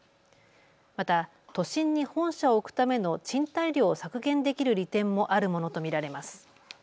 また都心に本社を置くための賃貸料を削減できる利点もあるものと見られます。